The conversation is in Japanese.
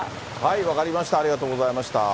分かりました、ありがとうございました。